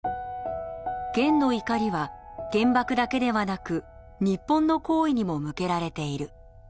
ゲンの怒りは原爆だけではなく日本の行為にも向けられている。